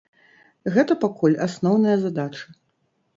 Гэта пакуль асноўная задача.